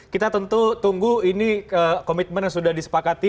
kita tunggu komitmen yang sudah disepakati